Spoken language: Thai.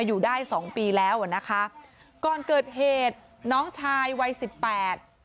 อยู่ได้สองปีแล้วอ่ะนะคะก่อนเกิดเหตุน้องชายวัยสิบแปด